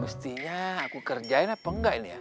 mestinya aku kerjain apa enggak ini ya